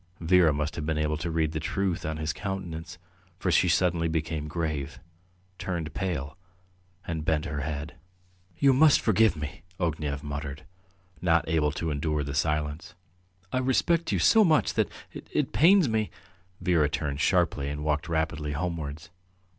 ... Vera must have been able to read the truth on his countenance, for she suddenly became grave, turned pale, and bent her head. "You must forgive me," Ognev muttered, not able to endure the silence. "I respect you so much that ... it pains me. ..." Vera turned sharply and walked rapidly homewards.